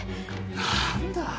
なーんだ。